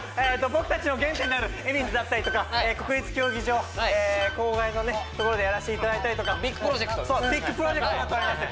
僕たちの原点である恵比寿だったりとか国立競技場郊外のねところでやらせていただいたりとかビッグプロジェクトになっております